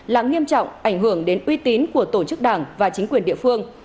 là nghiêm trọng ảnh hưởng đến uy tín của tổ chức đảng và chính quyền địa phương